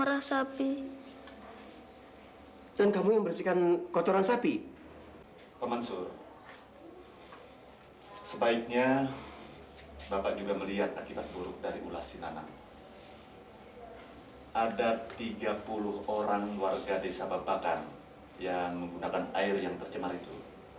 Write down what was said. ada tiga puluh orang warga desa bapakan yang menggunakan air yang tercemar itu